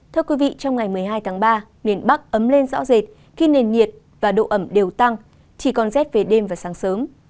thưa quý vị trong ngày một mươi hai tháng ba miền bắc ấm lên rõ rệt khi nền nhiệt và độ ẩm đều tăng chỉ còn rét về đêm và sáng sớm